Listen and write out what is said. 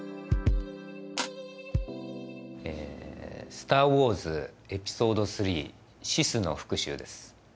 「スター・ウォーズエピソード３／シスの復讐」です